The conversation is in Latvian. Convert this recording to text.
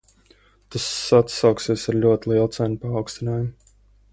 Tas atsauksies ar ļoti lielu cenu paaugstinājumu.